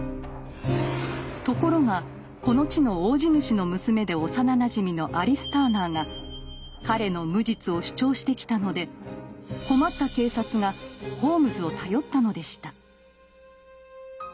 ところがこの地の大地主の娘で幼なじみのアリス・ターナーが彼の無実を主張してきたので困った警察がホームズを頼ったのでした。